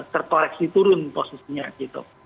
tertoreksi turun posisinya gitu